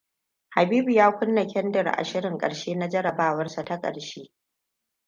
Habibu ya kunna kyandir a shirin ƙarshe na jarabawarsa ta ƙarshe.